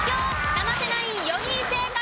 生瀬ナイン４人正解。